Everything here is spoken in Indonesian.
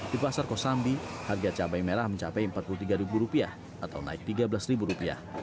di pasar kosambi harga cabai merah mencapai empat puluh tiga ribu rupiah atau naik tiga belas ribu rupiah